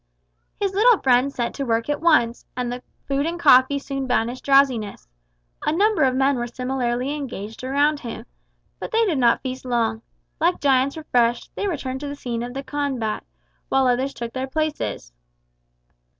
His little friend set to work at once, and the food and coffee soon banished drowsiness. A number of men were similarly engaged around him. But they did not feast long. Like giants refreshed, they returned to the scene of combat, while others took their places.